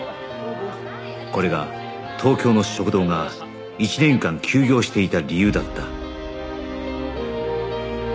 これが東京の食堂が１年間休業していた理由だった